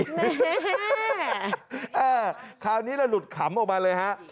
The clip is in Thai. ค่ะคาวนี้ละลุดขัมออกมาเลยฮะ